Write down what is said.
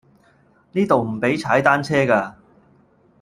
呢度唔比踩單車架